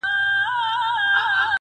او مخ اړوي له خبرو تل-